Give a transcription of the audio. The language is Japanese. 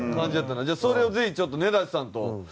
じゃあそれをぜひちょっと根建さんと。